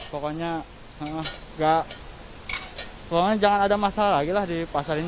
pokoknya jangan ada masalah lagi lah di pasar ini